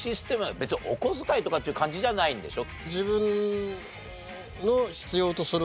別にお小遣いとかっていう感じじゃないんでしょ？